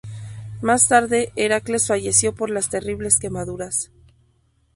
Más tarde Heracles falleció por las terribles quemaduras.